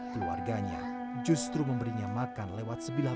keluarganya justru memberinya makan lewat sari kata